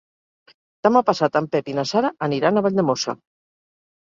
Demà passat en Pep i na Sara aniran a Valldemossa.